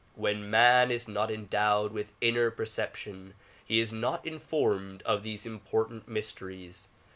When man is not endowed with inner perception he is not informed of these important mysteries.